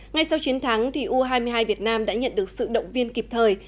ngay sau chiến thắng u hai mươi hai việt nam đã nhận được sự động viên kịp thời